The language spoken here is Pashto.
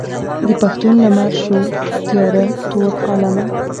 د پښتون لمر شو تیاره تور عالمه.